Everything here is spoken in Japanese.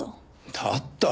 だったら。